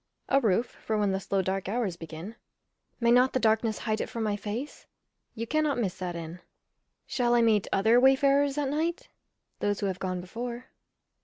A roof for when the slow dark hours begin. May not the darkness hide it from my face? You cannot miss that inn. Shall I meet other wayfarers at night? Those who have gone before.